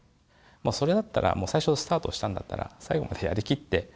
それだったら最初スタートしたんだったら最後までやりきって。